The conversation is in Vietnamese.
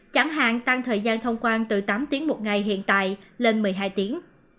chẳng hạn tăng thời gian thông quan từ tám tiếng một ngày hiện tại lên một mươi hai tiếng